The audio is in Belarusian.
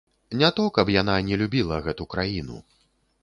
Не то, каб яна не любіла гэту краіну.